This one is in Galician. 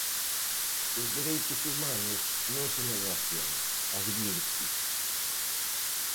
"Os dereitos humanos non se negocian", advirte.